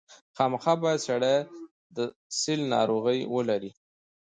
خامخا باید سړی د سِل ناروغي ولري.